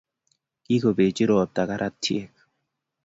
Kokobetchi ropta karatiek